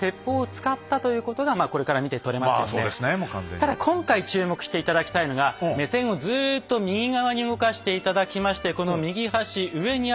ただ今回注目して頂きたいのが目線をずっと右側に動かして頂きましてこの右端上にあります